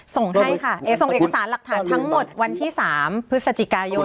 ส่งให้ค่ะส่งเอกสารหลักฐานทั้งหมดวันที่๓พฤศจิกายน